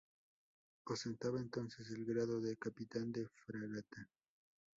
Ostentaba entonces el grado de Capitán de Fragata.